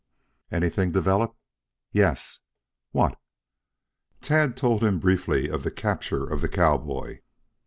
"Anything develop?" "Yes." "What?" Tad told him briefly of the capture of the cowboy.